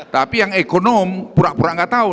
tapi yang ekonom pura pura nggak tahu